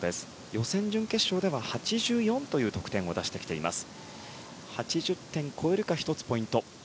予選、準決勝では８４という得点を出してきています。